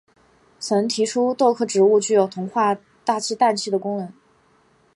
曾提出豆科植物具有同化大气氮气的能力。